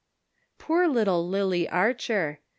Poor little Lily Archer